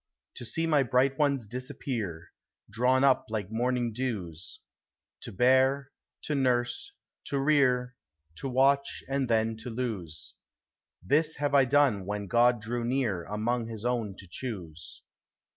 291 To see my bright ones disappear, Drawn up like morning dews; — To bear, to nurse, to rear, To watch, and then to lose: This have I done when God drew near Among his own to choose.